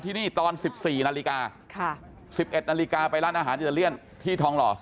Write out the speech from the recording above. ที่นี่ตอน๑๔นาฬิกา๑๑นาฬิกาไปร้านอาหารอิตาเลียนที่ทองหล่อ